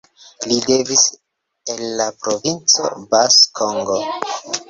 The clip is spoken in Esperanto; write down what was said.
Li devenis el la Provinco Bas-Congo.